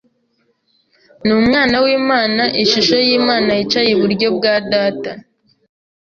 ni Umwana w'Imana - ishusho y'Imana yicaye iburyo bwa Data